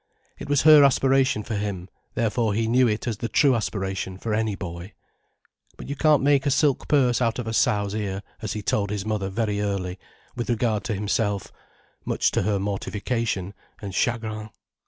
It was her aspiration for him, therefore he knew it as the true aspiration for any boy. But you can't make a silk purse out of a sow's ear, as he told his mother very early, with regard to himself; much to her mortification and chagrin.